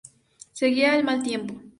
Seguía el mal tiempo.